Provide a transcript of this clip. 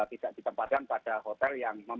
tidak ditempatkan pada hotel yang